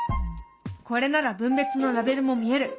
これなら分別のラベルも見える。